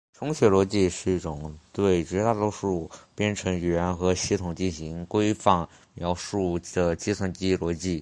重写逻辑是一种对绝大多数编程语言和系统进行规范描述的计算机逻辑。